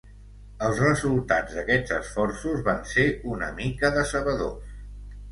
Els resultats d'aquests esforços van ser una mica decebedors.